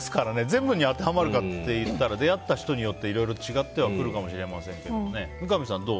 全部に当てはまるかって言ったら出会った人によっていろいろ違ってはくるかもしれませんけどね。